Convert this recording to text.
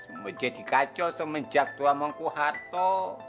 semuanya jadi kacau semenjakitta amanku harto